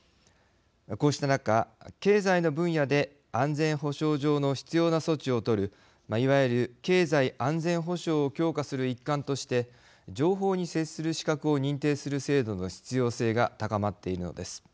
こうした中、経済の分野で安全保障上の必要な措置を取るいわゆる、経済安全保障を強化する一環として情報に接する資格を認定する制度の必要性が高まっているのです。